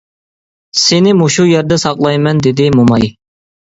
-سېنى مۇشۇ يەردە ساقلايمەن، -دېدى موماي.